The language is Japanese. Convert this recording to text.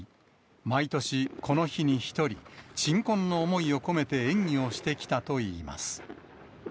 毎年この日に１人、鎮魂の思いを込めて演技をしてきたといいます。